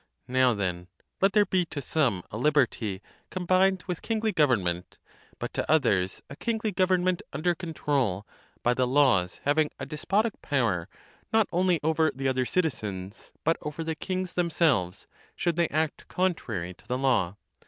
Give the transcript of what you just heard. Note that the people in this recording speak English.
Now then, let there be to some a liberty combined with kingly government ; but to others a kingly government under control, by the laws having a despotic power not only over the other citizens, but over the kings themselves, should they act contrary to the law.